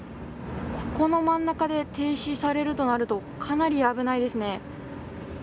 ここの真ん中で停止されるとなるとかなり危ないですね。